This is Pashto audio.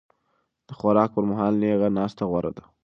د خوراک پر مهال نېغه ناسته غوره ده.